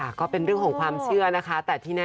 ก็เป็นเรื่องของความเชื่อนะคะแต่ที่แน่